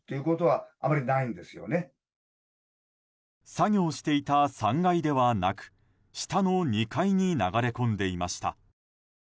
作業していた３階ではなく下の２階に流れ込んでいました。